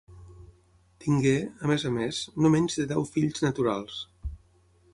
Tingué, a més a més, no menys de deu fills naturals.